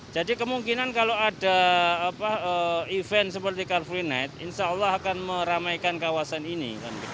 jadi kemungkinan kalau ada apa event seperti car free night insyaallah akan meramaikan kawasan ini